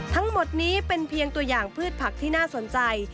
ทั้งหมดนี้เป็นเพียงตัวอย่างพืชผักที่น่าสนใจ